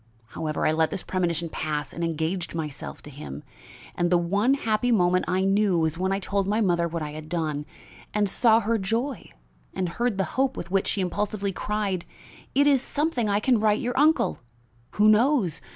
However, I let this premonition pass and engaged myself to him, and the one happy moment I knew was when I told my mother what I had done, and saw her joy and heard the hope with which she impulsively cried: 'It is something I can write your uncle. Who knows?